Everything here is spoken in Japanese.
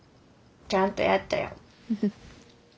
ちゃんとやったよ。